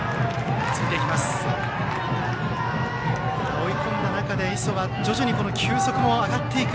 追い込んだ中で磯は、徐々に球速も上がっていく。